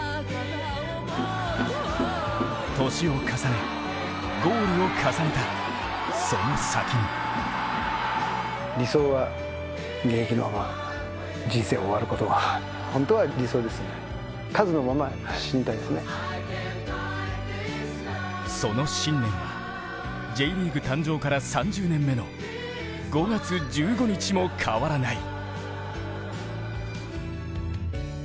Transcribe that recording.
年を重ねゴールを重ねた、その先にその信念はＪリーグ誕生から３０年目の５月１５日も変わらない。